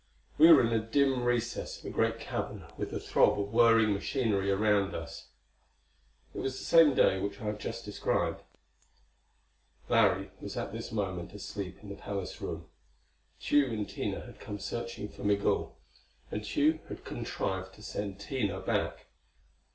We were in a dim recess of a great cavern with the throb of whirring machinery around us. It was the same day which I have just described; Larry was at this moment asleep in the palace room. Tugh and Tina had come searching for Migul; and Tugh had contrived to send Tina back.